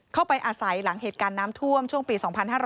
เข้าไปอาศัยหลังเหตุการณ์น้ำท่วมช่วงปี๒๕๕๙